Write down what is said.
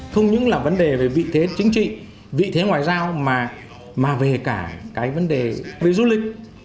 không những là vấn đề về vị thế chính trị vị thế ngoại giao mà về cả cái vấn đề về du lịch